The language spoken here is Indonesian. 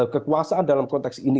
kekuasaan dalam konteks ini